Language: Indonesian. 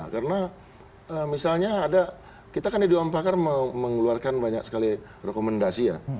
karena misalnya ada kita kan di duwam pakar mengeluarkan banyak sekali rekomendasi ya